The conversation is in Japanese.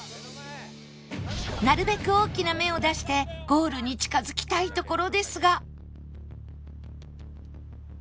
なるべく大きな目を出してゴールに近づきたいところですが